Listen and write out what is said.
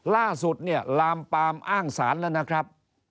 ล่าสุดลามปามอ้างสารล่ะนะครับ